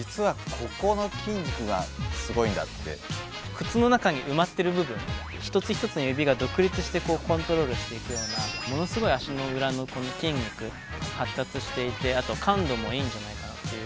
靴の中に埋まっている部分一つ一つの指が独立してコントロールしていくようなものすごい足の裏の筋肉発達していて、あと感度もいいんじゃないかなっていう。